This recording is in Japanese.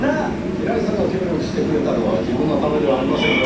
平井さんが協力してくれたのは自分のためではありませんよ。